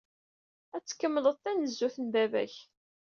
Ad tkemmled tanezzut n baba-k.